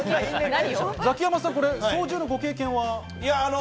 ザキヤマさん、操縦の経験は？